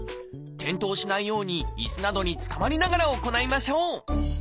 転倒しないようにいすなどにつかまりながら行いましょう。